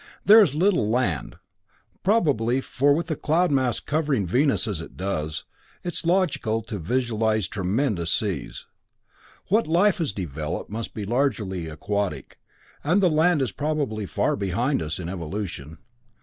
"There is little land, probably, for with the cloud mass covering Venus as it does, it's logical to visualize tremendous seas. What life has developed must be largely aquatic, and the land is probably far behind us in evolution.